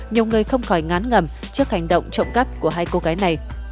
nhiều người không khỏi ngán ngầm trước hành động trộm cắp của hai cô gái này